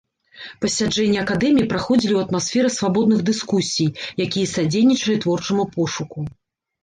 Пасяджэнні акадэмій праходзілі ў атмасферы свабодных дыскусій, якія садзейнічалі творчаму пошуку.